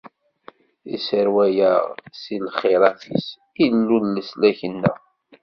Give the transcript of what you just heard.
Isseṛwa-yaɣ si lxirat-is, Illu n leslak-nneɣ.